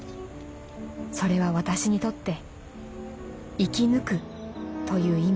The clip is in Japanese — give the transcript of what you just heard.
それは私にとって『生き抜く』という意味だ」。